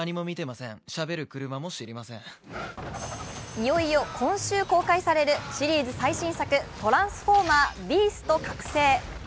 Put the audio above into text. いよいよ今週公開されるシリーズ最新作「トランスフォーマー／ビースト覚醒」。